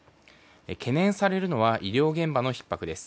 懸念されるのは医療現場のひっ迫です。